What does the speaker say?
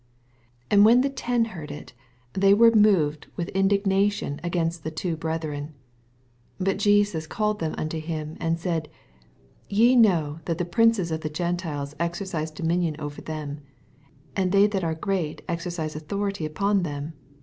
24 And when the ten heard U, they were moved with indignation against the two brethren. 25 Bat Jesus called them unto ^iin, and said, Ye know that the princes of the Qentiles exercise dominion over them, and they that are great exercise authority upon them.